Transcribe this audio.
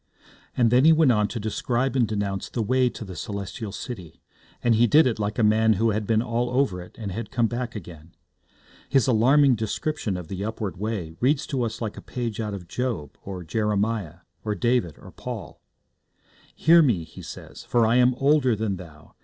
And then he went on to describe and denounce the way to the Celestial City, and he did it like a man who had been all over it, and had come back again. His alarming description of the upward way reads to us like a page out of Job, or Jeremiah, or David, or Paul. 'Hear me,' he says, 'for I am older than thou.